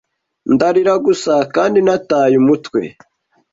Ndarira gusa kandi nataye umutwe